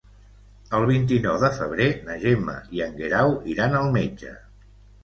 El vint-i-nou de febrer na Gemma i en Guerau iran al metge.